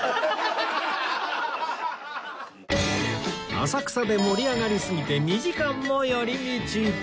浅草で盛り上がりすぎて２時間も寄り道